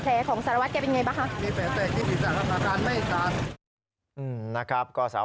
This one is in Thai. มีแผลเตะที่ผิดจากธรรมการไม่จัด